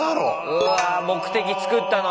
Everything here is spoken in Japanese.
うわ目的つくったのに。